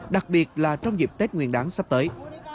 đặc biệt là trong dịp tết nguyên đáng sắp tới